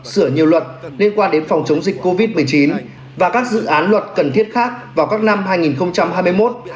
sửa nhiều luật liên quan đến phòng chống dịch covid một mươi chín và các dự án luật cần thiết khác vào các năm hai nghìn hai mươi một hai nghìn hai mươi hai